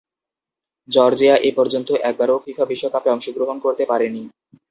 Georgia এপর্যন্ত একবারও FIFA বিশ্বকাপে অংশগ্রহণ করতে পারেনি।